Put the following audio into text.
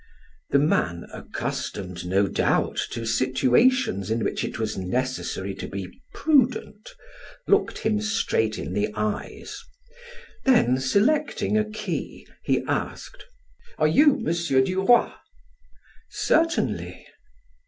The man, accustomed no doubt to situations in which it was necessary to be prudent, looked him straight in the eyes; then selecting a key, he asked: "Are you M. Duroy?" "Certainly."